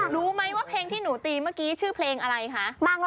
รู้ไหมว่าเพลงที่หนูตีเมื่อกี้ชื่อเพลงอะไรคะ